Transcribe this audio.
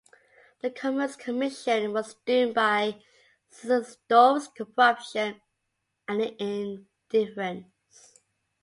The Commerce Commission was doomed by Sinzendorf's corruption and indifference.